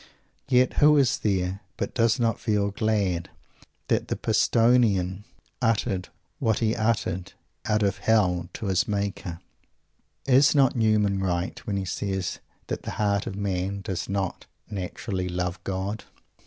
Yet who is there, but does not feel glad that the "Pistoian" uttered what he uttered out of his Hell to his Maker? Is not Newman right when he says that the heart of man does not naturally "love God?"